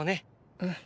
うん。